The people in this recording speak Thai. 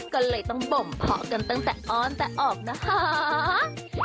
ก็เลยต้องบ่มเพาะกันตั้งแต่อ้อนแต่ออกนะคะ